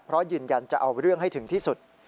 เพราะยืนยันจะเอาเรื่องให้ถึงที่สุด